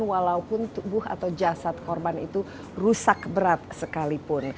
walaupun tubuh atau jasad korban itu rusak berat sekalipun